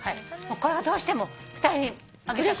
これがどうしても２人にあげたくて。